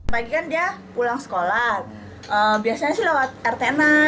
pagi kan dia pulang sekolah biasanya sih lewat rt enam